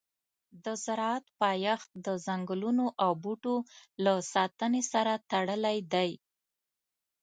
د زراعت پایښت د ځنګلونو او بوټو له ساتنې سره تړلی دی.